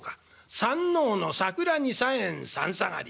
『山王の桜に茶園三下がり』。